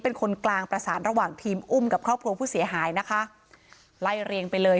เป็นคนกลางประสานระหว่างทีมอุ้มกับครอบครัวผู้เสียหายนะคะไล่เรียงไปเลย